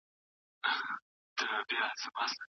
نه به شرنګ د آدم خان ته درخانۍ کي پلو لیري